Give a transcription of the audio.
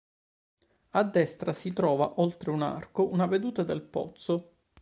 A destra si trova, oltre un arco, una veduta del pozzo.